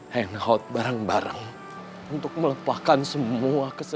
hangout barang barang untuk melepaskan semua kesedihan